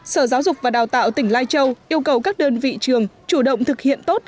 sở giáo dục và đào tạo tỉnh lai châu yêu cầu các đơn vị trường chủ động thực hiện tốt